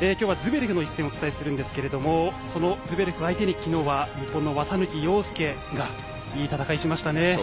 今日は、ズベレフの一戦をお伝えするんですがそのズベレフ相手に昨日は日本の綿貫陽介がいい戦いをしましたね。